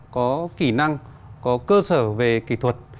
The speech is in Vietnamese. có kỹ năng có cơ sở về kỹ thuật